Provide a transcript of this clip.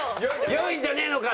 「４位じゃねえのか」って事？